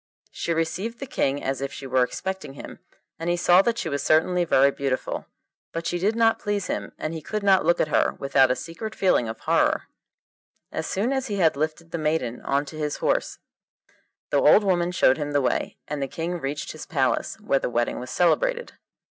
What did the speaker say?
She received the King as if she were expecting him, and he saw that she was certainly very beautiful; but she did not please him, and he could not look at her without a secret feeling of horror. As soon as he had lifted the maiden on to his horse the old woman showed him the way, and the King reached his palace, where the wedding was celebrated.